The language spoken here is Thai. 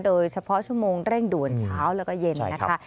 โดยเฉพาะชั่วโมงเร่งด่วนเช้าแล้วก็เย็นนะคะ